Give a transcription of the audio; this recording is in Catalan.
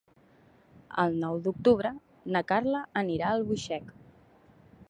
El nou d'octubre na Carla anirà a Albuixec.